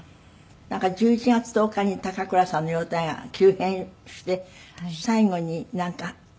なんか１１月１０日に高倉さんの容体が急変して最期になんか。